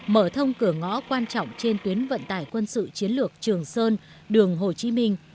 mở thông cửa ngõ quan trọng trên tuyến vận tải quân sự chiến lược trường sơn đường hồ chí minh